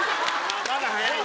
まだ早いと？